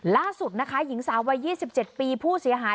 ล่าสุดนะคะหญิงสาววัย๒๗ปีผู้เสียหาย